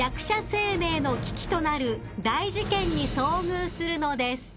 生命の危機となる大事件に遭遇するのです］